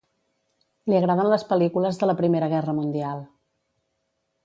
Li agraden les pel·lícules de la Primera Guerra Mundial.